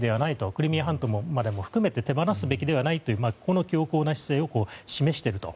クリミア半島までも含めて手放すべきではないという強硬な姿勢を示していると。